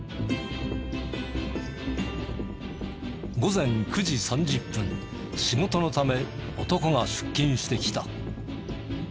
午前９時３０分仕事のため男が出勤してきた。